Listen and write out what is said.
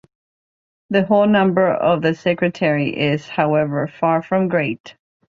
The whole number of the sectarians is, however, far from great.